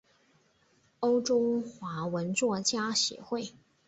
欧洲华文作家协会。